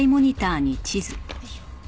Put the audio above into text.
よいしょ。